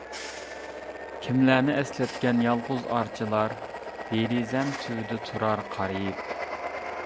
كىملەرنى ئەسلەتكەن يالغۇز ئارچىلار، دېرىزەم تۈۋىدە تۇرار قارىيىپ.